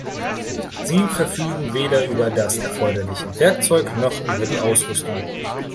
Sie verfügen weder über das erforderliche Werkzeug noch über die Ausrüstung.